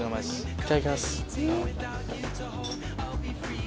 いただきます。